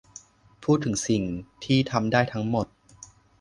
พูดถึงสิ่งที่ทำได้ทั้งหมด